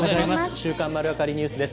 週刊まるわかりニュースです。